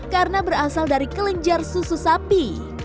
karena berasal dari kelenjar susu sapi